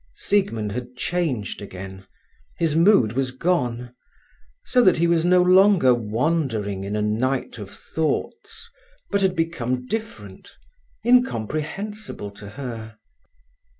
Siegmund had changed again, his mood was gone, so that he was no longer wandering in a night of thoughts, but had become different, incomprehensible to her.